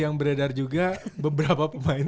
yang beredar juga beberapa pemain